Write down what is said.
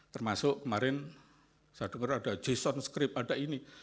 termasuk kemarin saya dengar ada json script ada ini